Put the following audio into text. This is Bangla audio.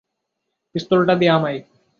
পিস্তলটা দে আমায়!